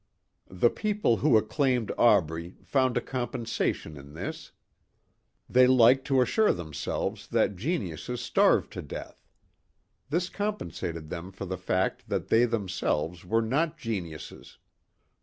The people who acclaimed Aubrey found a compensation in this. They liked to assure themselves that geniuses starved to death. This compensated them for the fact that they themselves were not geniuses.